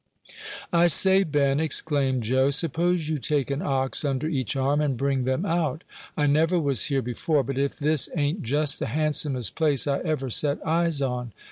"I say, Ben," exclaimed Joe, "suppose you take an ox under each arm, and bring them out. I never was here before, but if this ain't just the handsomest place I ever set eyes on.